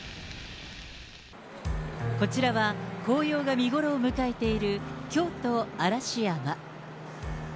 こちらは、紅葉が見頃を迎えている京都・嵐山。